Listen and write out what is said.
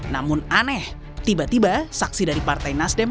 namun aneh tiba tiba saksi dari partai nasdem